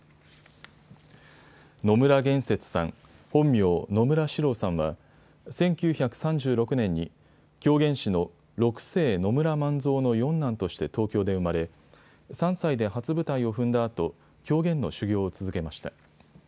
野村幻雪さん本名、野村四郎さんは１９３６年に狂言師の六世野村万蔵の四男として東京で生まれ３歳で初舞台を踏んだあと狂言の修行を続けました。